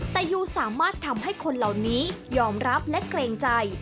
แต่ยูสามารถทำให้คนเหล่านี้ยอมรับและเกรงใจ